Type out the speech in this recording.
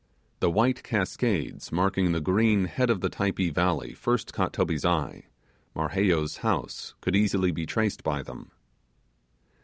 The white cascade marking the green head of the Typee valley first caught Toby's eye; Marheyo's house could easily be traced by them.